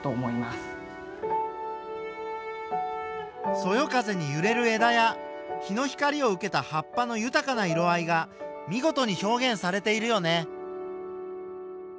そよ風にゆれる枝や日の光を受けた葉っぱの豊かな色合いが見事に表現されているよね。